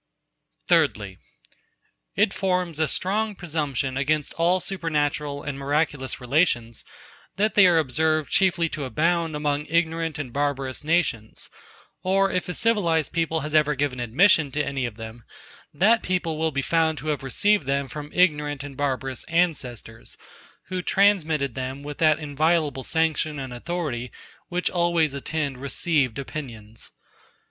94. Thirdly. It forms a strong presumption against all supernatural and miraculous relations, that they are observed chiefly to abound among ignorant and barbarous nations; or if a civilized people has ever given admission to any of them, that people will be found to have received them from ignorant and barbarous ancestors, who transmitted them with that inviolable sanction and authority, which always attend received opinions.